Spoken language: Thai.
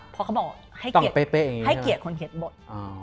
เพราะเขาบอกให้เกียรติคนเขียนบท